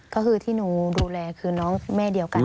ก็คือที่หนูดูแลคือน้องแม่เดียวกัน